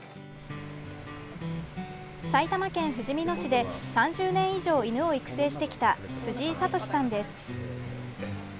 埼玉県ふじみ野市で３０年以上、犬を育成してきた藤井聡さんです。